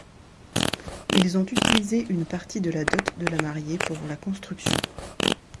Ils ont utilisé une partie de la dot de la mariée pour la construction.